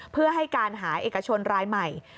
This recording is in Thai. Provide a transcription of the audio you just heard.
เพื่อให้การหาเอกชนรายใหม่